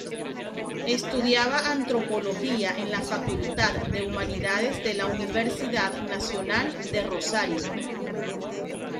Estudiaba Antropología en la Facultad de Humanidades de la Universidad Nacional de Rosario.